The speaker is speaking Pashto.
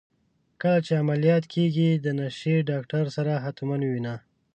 کله چي عمليات کيږې د نشې ډاکتر سره حتما ووينه.